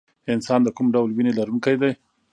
انسان د کوم ډول وینې لرونکی دی